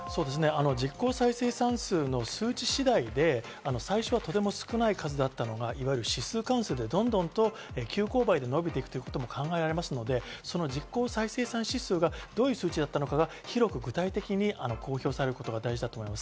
実効再生産数の数値次第で最初はとても少ない数だったのが指数関数がどんどんと急勾配で伸びてきていることも考えられますので実効再生産指数がどれぐらいだったのか、広く具体的に公表されることが大事だと思います。